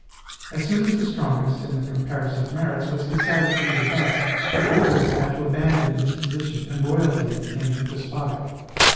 As soon as the strongest, in the comparison of merits, was decided to be the best, the oldest had to abandon his position, and royalty became despotic.